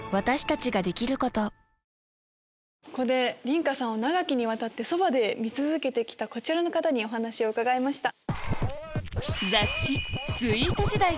梨花さんを長きにわたってそばで見続けて来たこちらの方にお話を伺いました。